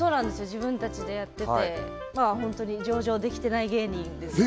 自分たちでやっててまあホントに上場できてない芸人です